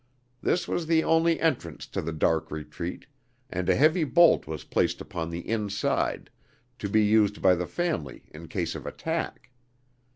This was the only entrance to the dark retreat, and a heavy bolt was placed upon the inside, to be used by the family in case of attack.